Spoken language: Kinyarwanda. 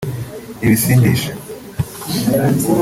ibisindisha